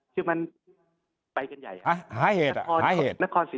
คือมันไปกันใหญ่หลายเหตุหลายเหตุ